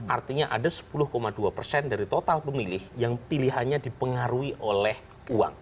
artinya ada sepuluh dua persen dari total pemilih yang pilihannya dipengaruhi oleh uang